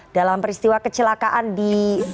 dalam peristiwa kecelakaan di